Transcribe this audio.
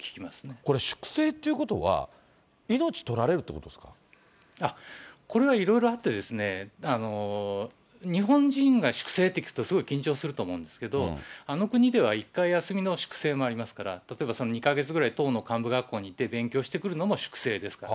これ、粛清っていうことは、これはいろいろあってですね、日本人が粛清って聞くと、すごい緊張すると思うんですけど、あの国では一回休みの粛清もありますから、例えば、２か月くらい、党の幹部学校に行って勉強してくるのも粛清ですから。